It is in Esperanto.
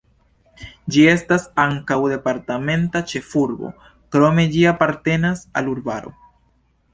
Ĝi estas ankaŭ departementa ĉefurbo, krome ĝi apartenas al urbaro.